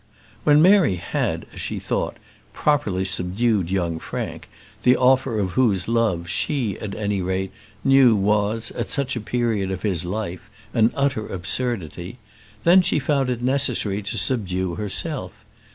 When Mary had, as she thought, properly subdued young Frank, the offer of whose love she, at any rate, knew was, at such a period of his life, an utter absurdity, then she found it necessary to subdue herself.